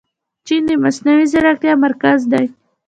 چین د مصنوعي ځیرکتیا مرکز دی.